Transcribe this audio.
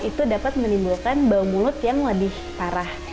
itu dapat menimbulkan bau mulut yang lebih parah